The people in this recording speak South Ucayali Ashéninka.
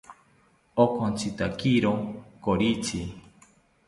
Onkotzitakiro koritzi